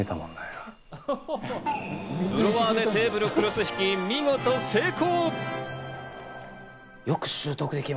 ブロワーでテーブルクロス引きに見事成功！